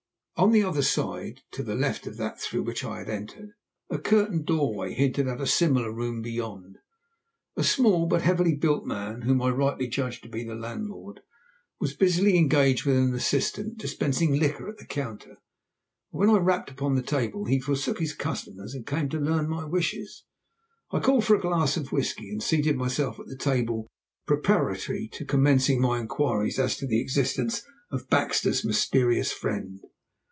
On the other side, to the left of that through which I had entered, a curtained doorway hinted at a similar room beyond. A small but heavily built man, whom I rightly judged to be the landlord, was busily engaged with an assistant, dispensing liquor at the counter, but when I rapped upon the table he forsook his customers, and came to learn my wishes. I called for a glass of whisky, and seated myself at the table preparatory to commencing my inquiries as to the existence of Baxter's mysterious friend.